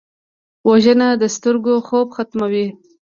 وژنه د سترګو خوب ختموي